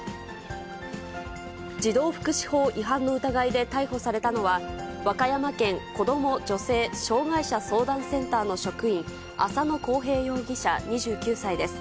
児童福祉法違反の疑いで逮捕されたのは、和歌山県子ども・女性・障害者相談センターの職員、浅野紘平容疑者２９歳です。